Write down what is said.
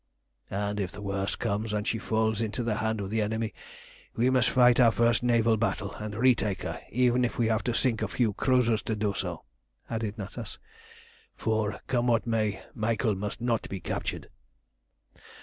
"And if the worst comes and she falls into the hands of the enemy, we must fight our first naval battle and retake her, even if we have to sink a few cruisers to do so," added Natas; "for, come what may, Michael must not be captured."